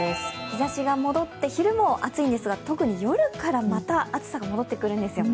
日ざしが戻って昼も暑いんですが特に夜からまた暑さが戻ってくるんですよ。